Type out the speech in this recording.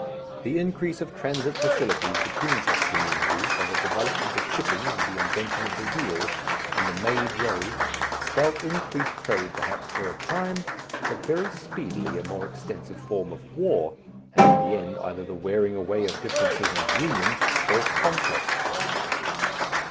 The increase of transit facilities between such communities, by the development of shipping and the invention of the wheel and the made road, spelt increased trade perhaps for a time, but very speedily a more extensive form of war, and in the end either the wearing away of differences and union, or conquest.